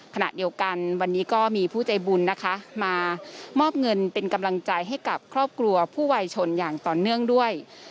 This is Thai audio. ขณะเดียวกันวันนี้ก็มีผู้ใจบุญนะคะมามอบเงินเป็นกำลังใจให้กับครอบครัวผู้วัยชนอย่างต่อเนื่องด้วย